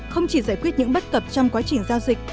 không chỉ giải quyết những bất cập trong quá trình giao dịch